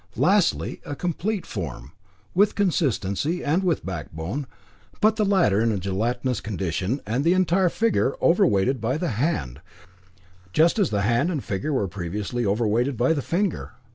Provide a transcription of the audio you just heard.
Lastly, a complete form, with consistency and with backbone, but the latter in a gelatinous condition, and the entire figure overweighted by the hand, just as hand and figure were previously overweighted by the finger.